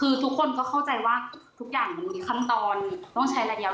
แต่ทุกคนก็เข้าใจว่าทุกอย่างมีขั้นตอนต้องใช้อะไรอยู่